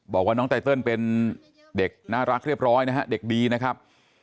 บอกว่าน้องไตเติลเป็นเด็กน่ารักเรียบร้อยนะฮะเด็กดีนะครับ